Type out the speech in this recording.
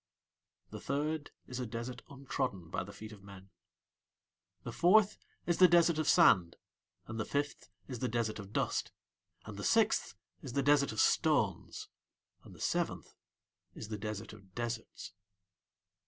The third is a desert untrodden by the feet of men. The fourth is the desert of sand, and the fifth is the desert of dust, and the sixth is the desert of stones, and the seventh is the Desert of Deserts.